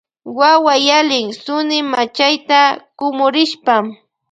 Wawa yalin sunimachayta kumurishpa.